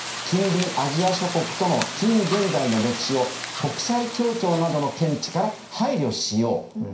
近隣アジア諸国との近現代の歴史を国際協調などの見地から配慮しよう。